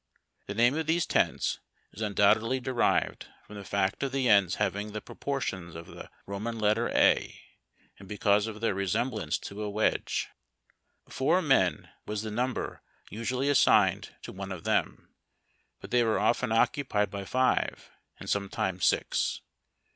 The name of these tents is undoubtedly derived from the fact of the ends having the pro portions of the Ro man letter A, and be cause of their resem blance to a wedge. Four men was the number usually as signed to one of them ; but they were often occupied by five, and sometimes six.